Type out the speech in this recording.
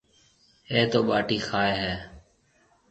اَي تو ٻاٽِي کائي هيَ۔